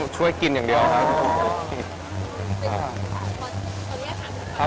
ช่วยกินอย่างเดียวครับ